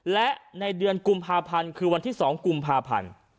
และในเดือนกุมภาพันธ์คือวันที่๒กุมภาพันธ์